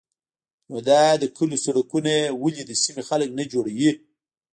_نو دا د کليو سړکونه ولې د سيمې خلک نه جوړوي؟